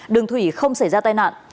đường thủy không xảy ra tai nạn